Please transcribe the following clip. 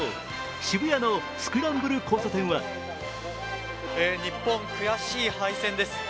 渋谷のスクランブル交差点は日本、悔しい敗戦です。